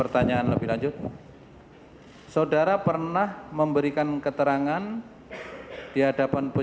tadi saudara telah mengatakan bahwa